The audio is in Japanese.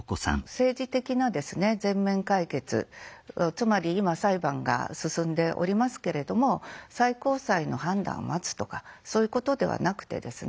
つまり今裁判が進んでおりますけれども最高裁の判断を待つとかそういうことではなくてですね